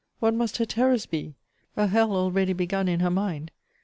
What must her terrors be (a hell already begun in her mind!)